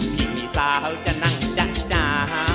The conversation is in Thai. พี่สาวจะนั่งจ๊ะจ๋า